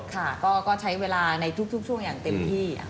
ค่ะก็ใช้เวลาในทุกช่วงอย่างเต็มที่